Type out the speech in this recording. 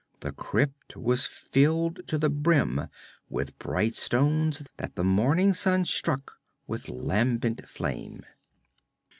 The crypt was filled to the brim with bright stones that the morning sun struck into lambent flame.